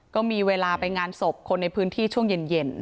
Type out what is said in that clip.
ก็มีเวลาไปงานศพคนในพื้นที่ช่วงเย็น